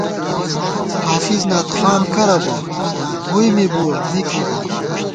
حافظ نعت خوان کرہ بوت ، ووئی می بُوَہ مِک مِزان